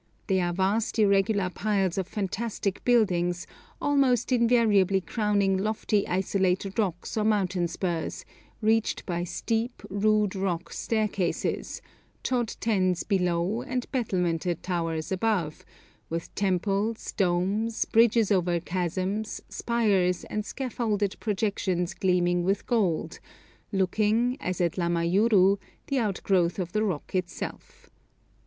They are vast irregular piles of fantastic buildings, almost invariably crowning lofty isolated rocks or mountain spurs, reached by steep, rude rock staircases, chod tens below and battlemented towers above, with temples, domes, bridges over chasms, spires, and scaffolded projections gleaming with gold, looking, as at Lamayuru, the outgrowth of the rock itself.